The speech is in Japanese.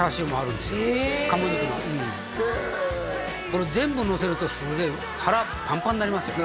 これ全部のせるとすげえ腹パンパンになりますよ